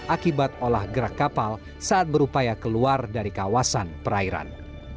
akibat olah gerak kapal saat berupaya keluar dari kawasan perairan